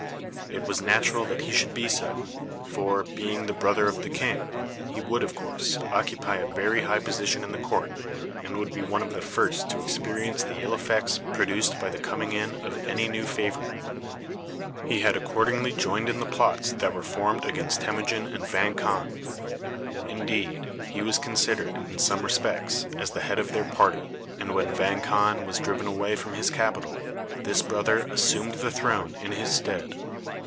It was natural that he should be so; for, being the brother of the king, he would, of course, occupy a very high position in the court, and would be one of the first to experience the ill effects produced by the coming in of any new favorite. He had accordingly joined in the plots that were formed against Temujin and Vang Khan. Indeed, he was considered, in some respects, as the head of their party, and when Vang Khan was driven away from his capital, this brother assumed the throne in his stead.